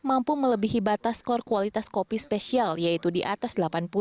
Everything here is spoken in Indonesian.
mampu melebihi batas skor kualitas kopi spesial yaitu di atas delapan puluh